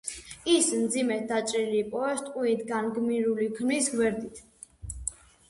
Ის მძიმედ დაჭრილი იპოვეს ტყვიით განგმირული ქმრის გვერდით.